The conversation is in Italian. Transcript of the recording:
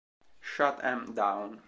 Shut 'Em Down